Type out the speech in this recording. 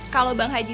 kalau bang haji